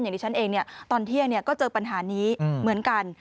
อย่างที่ฉันเองเนี่ยวันที่เมื่อกี้ก็เจอปัญหานี้เหมือนกัน